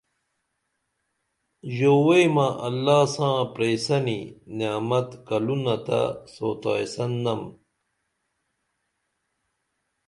ژووئیمہ اللہ ساں پریسنی نعمت کلونتہ سوتائیسن نم